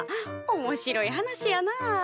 おもしろい話やなあ。